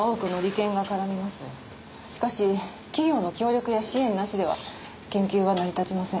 しかし企業の協力や支援なしでは研究は成り立ちません。